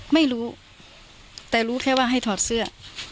ไม่รู้แต่รู้แค่ว่าให้ถอดเสื้อ